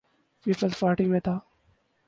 Peoples Party میں تھا۔